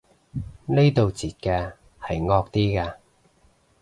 呢度截嘅係惡啲嘅